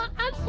yang itu jatuh